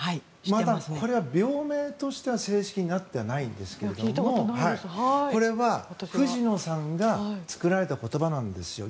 まだこれは病名としては正式にはなっていないんですがこれは、藤野さんが作られた言葉なんですよ。